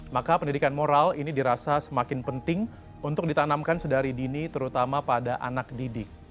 maka pendidikan moral ini dirasa semakin penting untuk ditanamkan sedari dini terutama pada anak didik